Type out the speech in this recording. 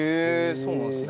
そうなんですね。